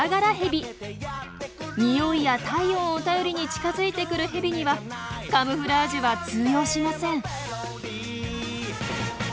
においや体温を頼りに近づいてくるヘビにはカムフラージュは通用しません。